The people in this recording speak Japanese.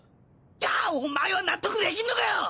じゃあお前は納得できんのかよ！